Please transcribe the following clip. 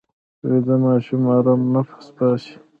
ویده ماشوم ارام نفس باسي